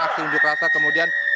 aksi unjuk rasa kemudian